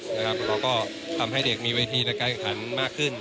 แล้วก็ทำให้เด็กมีเวทีในการแข่งขันมากขึ้น